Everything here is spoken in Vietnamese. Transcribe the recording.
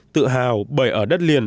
tự hào bởi ở đất liền